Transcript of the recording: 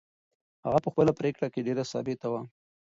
هغه په خپله پرېکړه کې ډېره ثابته وه.